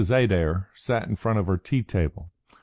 Adair sat in front of her tea table.